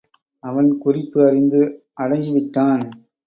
அவன் குறிப்பு அறிந்து அடங்கி விட்டான்.